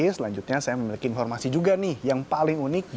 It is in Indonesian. selanjutnya saya memiliki informasi juga nih yang paling unik